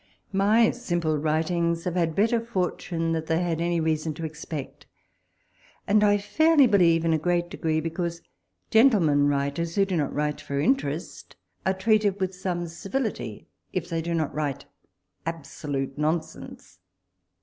My simple writings have had better fortune than they had any reason to expect ; and I fairly believe, in a great degree, because gentlemen writers, who do not write for interest, are treated with some civility if they do not write absolute non.sense.